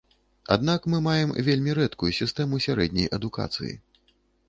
Аднак мы маем вельмі рэдкую сістэму сярэдняй адукацыі.